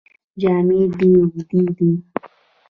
جامې دې اوږدې دي.